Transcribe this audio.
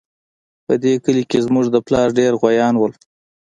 په دې کلي کې زموږ د پلار ډېر غويان وو